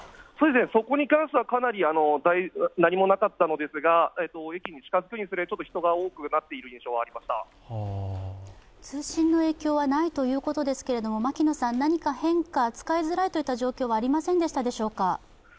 そこに関しては何もなかったのですが、駅に近づくにつれて人が多くなっていく印象はありました通信の影響はないということですが、何か変化、使いづらいといった状況はありませんでしたでしょうか？